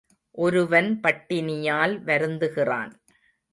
ஒருவன் பட்டினியால் வருந்துகிறான்.